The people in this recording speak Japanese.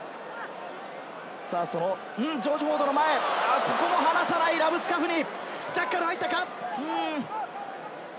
ジョージ・フォードの前、ここも離さないラブスカフニ、ジャッカル入ったか？